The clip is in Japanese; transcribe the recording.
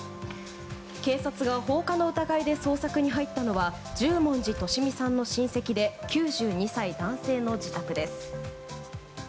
警察が放火の疑いで捜索に入ったのは十文字利美さんの親戚で９２歳男性の自宅です。